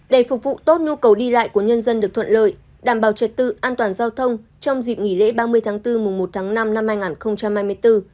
để phục vụ tốt nhu cầu đi lại của nhân dân được thuận lợi đảm bảo trật tự an toàn giao thông trong dịp nghỉ lễ ba mươi tháng bốn mùa một tháng năm năm hai nghìn hai mươi bốn